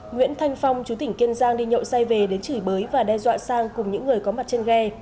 nguyễn thanh phong chú tỉnh kiên giang đi nhậu say về đến chửi bới và đe dọa sang cùng những người có mặt trên ghe